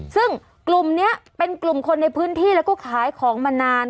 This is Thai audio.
ซึ่งกลุ่มนี้เป็นกลุ่มคนในพื้นที่แล้วก็ขายของมานาน